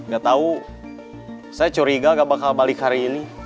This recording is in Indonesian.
gak tahu saya curiga gak bakal balik hari ini